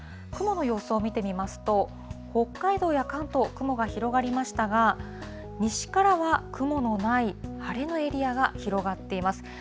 雲の様子を見てみますと、北海道や関東、雲が広がりましたが、西からは雲のない晴れのエリアが広がっています。